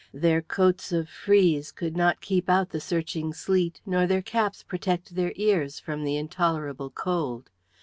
Their coats of frieze could not keep out the searching sleet, nor their caps protect their ears from the intolerable cold.